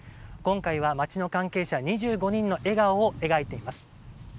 今回は町の関係者２５人の笑顔を描いています。